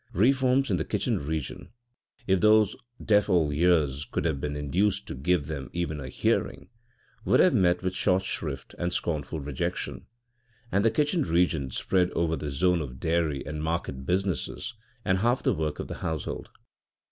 Reforms in the kitchen region, if those deaf old ears could have been induced to give them even a hearing, would have met with short shrift and scornful rejection, and the kitchen region spread over the zone of dairy and market business and half the work of the household.